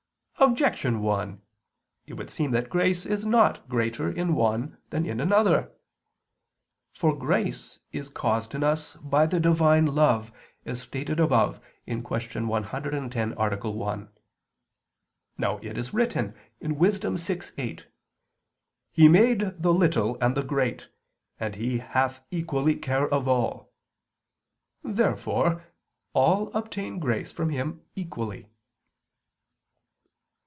Objection 1: It would seem that grace is not greater in one than in another. For grace is caused in us by the Divine love, as stated above (Q. 110, A. 1). Now it is written (Wis. 6:8): "He made the little and the great and He hath equally care of all." Therefore all obtain grace from Him equally.